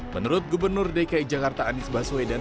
menurut gubernur dki jakarta anies baswedan